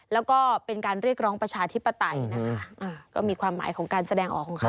แล้วก็เป็นการเรียกร้องประชาธิปไตยนะคะก็มีความหมายของการแสดงออกของเขา